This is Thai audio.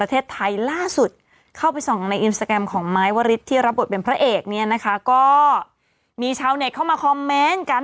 เขาบอกบางบ้านเนี่ยนะคะซื้อกระดายปีนหลังคา